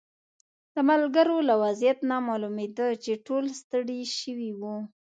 د ملګرو له وضعیت نه معلومېده چې ټول ستړي شوي وو.